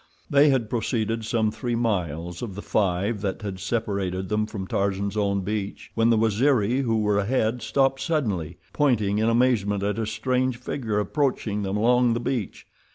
They had proceeded some three miles of the five that had separated them from Tarzan's own beach when the Waziri who were ahead stopped suddenly, pointing in amazement at a strange figure approaching them along the beach.